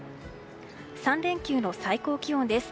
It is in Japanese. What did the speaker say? ３連休の最高気温です。